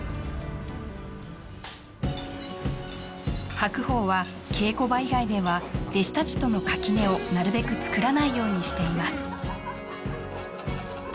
白鵬は稽古場以外では弟子たちとの垣根をなるべく作らないようにしています